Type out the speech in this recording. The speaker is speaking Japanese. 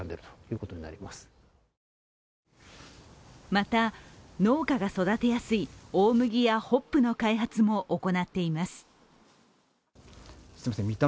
また、農家が育てやすい大麦やホップの開発も行っています。